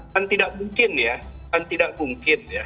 kan tidak mungkin ya kan tidak mungkin ya